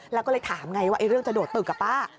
แล้วก็เลยถามไงว่าเรื่องจะโดดตึกกับป้า